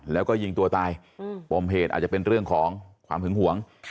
แล้วก็ยิงตัวตายปมเหตุอาจจะเป็นเรื่องของความหึงหวง